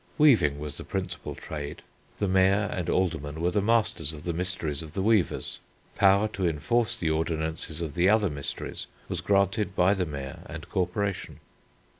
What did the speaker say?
Weaving was the principal trade. The Mayor and Aldermen were the masters of the mysteries of the weavers. Power to enforce the ordinances of the other mysteries was granted by the Mayor and Corporation.